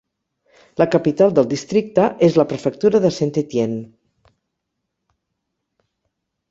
La capital del districte és la prefectura de Saint-Étienne.